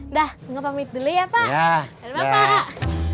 udah bunga pamit dulu ya pak